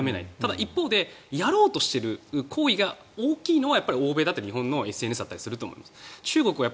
ただ、やろうとしていることが大きいのは欧米だったり日本のＳＮＳだったりすると思うんです。